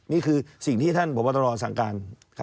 นี่คือสิ่งที่ท่านบอกว่าตลอดสั่งการ